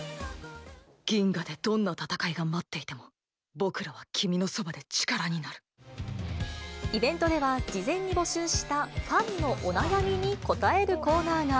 銀河でどんな戦いが待っていイベントでは、事前に募集したファンのお悩みに答えるコーナーが。